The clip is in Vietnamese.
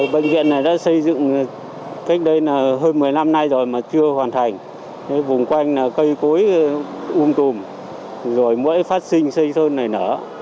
bệnh viện này đã xây dựng cách đây là hơn một mươi năm nay rồi mà chưa hoàn thành vùng quanh là cây cối um tùm rồi mũi phát sinh xây sơn này nở